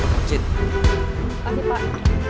terima kasih pak